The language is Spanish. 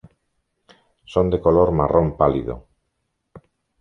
Son de color marrón pálido.